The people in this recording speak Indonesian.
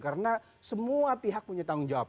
karena semua pihak punya tanggung jawab